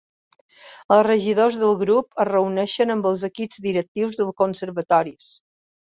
Els regidors del grup es reuneixen amb els equips directius dels conservatoris.